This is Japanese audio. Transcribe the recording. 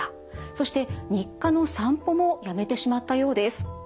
そして日課の散歩もやめてしまったようです。